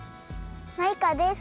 マイカです。